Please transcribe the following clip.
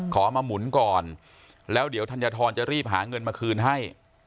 ขอมาหมุนก่อนแล้วเดี๋ยวธัญฑรจะรีบหาเงินมาคืนให้